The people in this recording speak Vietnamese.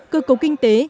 cơ cấu kinh tế